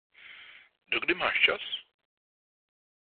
Dokdy máš čas?